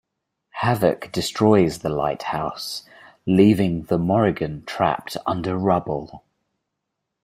Havok destroys the lighthouse leaving the Morrigan trapped under rubble.